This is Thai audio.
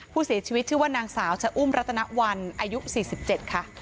ผู้เสียชีวิตชื่อว่านางสาวชะอุ้มรัตนวันอายุ๔๗ค่ะ